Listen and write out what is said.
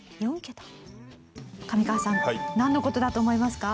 上川さんなんの事だと思いますか？